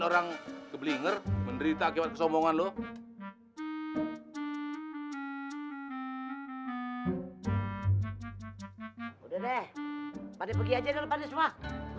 orang keblinger menderita kebosongan lu udah deh pada pergi aja dong pada semua